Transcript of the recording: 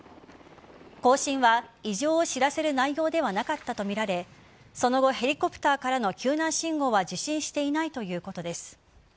交信は異常を知らせる内容ではなかったとみられその後ヘリコプターからの救難信号は受信していないということです。